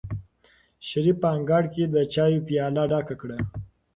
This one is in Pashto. شریف په انګړ کې د چایو پیاله ډکه کړه.